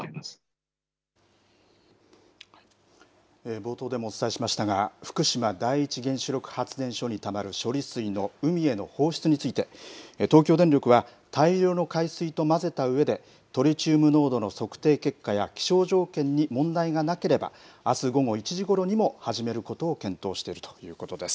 冒頭でもお伝えしましたが、福島第一原子力発電所にたまる処理水の海への放出について、東京電力は、大量の海水と混ぜたうえで、トリチウム濃度の測定結果や気象条件に問題がなければ、あす午後１時ごろにも始めることを検討しているということです。